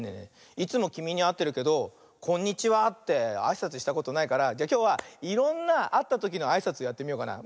いつもきみにあってるけど「こんにちは」ってあいさつしたことないからじゃあきょうはいろんなあったときのあいさつをやってみようかな。